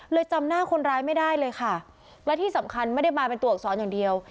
จำหน้าคนร้ายไม่ได้เลยค่ะและที่สำคัญไม่ได้มาเป็นตัวอักษรอย่างเดียว